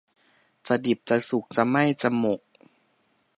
จะดิบจะสุก จะไหม้จะหมก